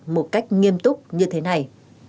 một cách nghiêm túc như thế này